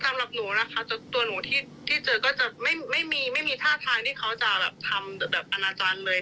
สำหรับหนูนะคะตัวหนูที่เจอก็จะไม่มีไม่มีท่าทางที่เขาจะแบบทำแบบอนาจารย์เลย